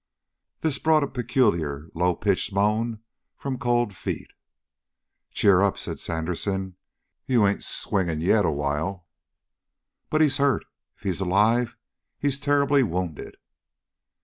This brought a peculiar, low pitched moan from Cold Feet. "Cheer up," said Sandersen. "You ain't swinging yet awhile." "But he's hurt! If he's alive, he's terribly wounded?"